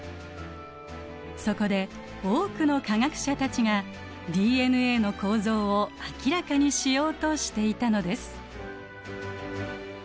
そこで多くの科学者たちがＤＮＡの構造を明らかにしようとしていたのです。